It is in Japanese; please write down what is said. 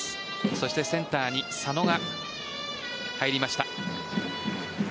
そしてセンターに佐野が入りました。